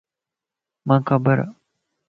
مانک خبر ا.